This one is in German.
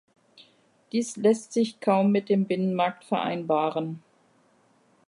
Dies lässt sich kaum mit dem Binnenmarkt vereinbaren.